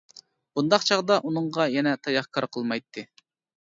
بۇنداق چاغدا ئۇنىڭغا يەنە تاياق كار قىلمايتتى.